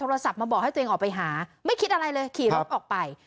โทรศัพท์มาบอกให้ตัวเองออกไปหาไม่คิดอะไรเลยขี่รถออกไป